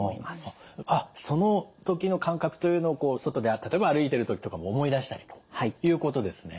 あっその時の感覚というのを外で例えば歩いている時とかも思い出したりということですね。